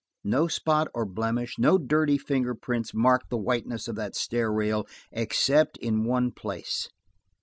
No spot or blemish, no dirty finger print marked the whiteness of that stair rail, except in one place.